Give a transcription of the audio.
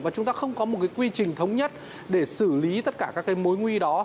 và chúng ta không có một quy trình thống nhất để xử lý tất cả các cái mối nguy đó